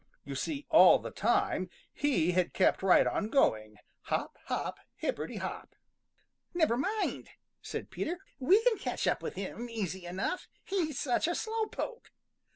You see all the time he had kept right on going, hop, hop, hipperty hop. "Never mind," said Peter, "we can catch up with him easy enough, he's such a slow poke."